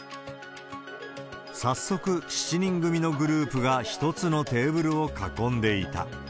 早速、７人組のグループが一つのテーブルを囲んでいた。